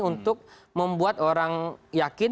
untuk membuat orang yakin